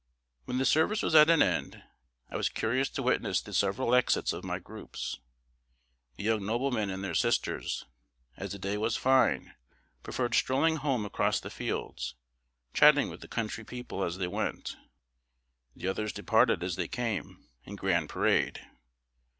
When the service was at an end, I was curious to witness the several exits of my groups. The young noblemen and their sisters, as the day was fine, preferred strolling home across the fields, chatting with the country people as they went. The others departed as they came, in grand parade.